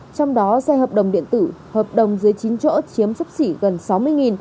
trong đó xe hợp đồng điện tử hợp đồng dưới chín chỗ chiếm sắp xỉ gần sáu mươi